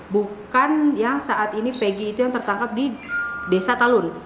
bukan yang saat ini pg itu yang tertangkap di desa talun